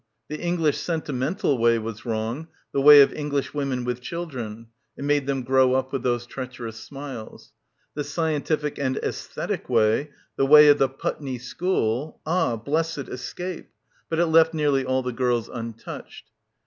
The English sentimental way was wrong, the way of English women with children — it made them grow up with those treacherous smiles. The scientific and 'aesthetic* way, the way of the Putney school — ah, blessed escape !... But it left nearly all the girls untouched.